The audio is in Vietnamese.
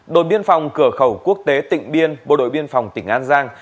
đồn biên phòng cửa khẩu quốc tế tỉnh biên bộ đội biên phòng tỉnh an giang